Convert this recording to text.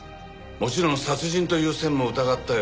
もちろん殺人という線も疑ったよ。